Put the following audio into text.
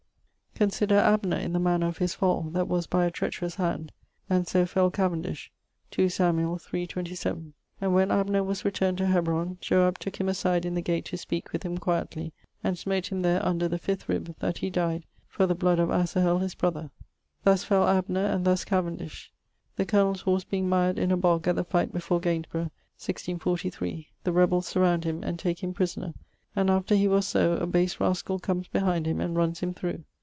'Consider Abner in the manner of his fall, that was by a treacherous hand, and so fell Cavendish. II Sam. iii. 27, "and when Abner was returned to Hebron, Joab tooke him aside in the gate to speake with him quietly, and smote him there under the fifth rib, that he died, for the bloud of Asahel his brother." Thus fell Abner; and thus Cavendish, the colonell's horse being mired in a bog at the fight before Gainsborough, 1643, the rebels surround him, and take him prisoner; and after he was so, a base raskall comes behind him, and runs him through.